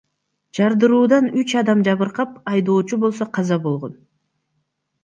Жардыруудан үч адам жабыркап, айдоочу болсо каза болгон.